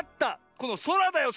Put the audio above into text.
このそらだよそら！